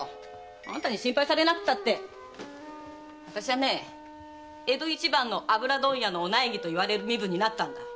あんたに心配されなくたって私は江戸一番の油問屋のお内儀といわれる身分になったんだ。